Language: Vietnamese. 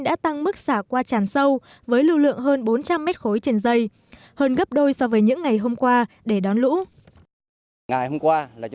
đã tăng mức xả qua tràn sâu với lưu lượng hơn bốn trăm linh mét khối trên dây hơn gấp đôi so với những ngày hôm qua để đón lũ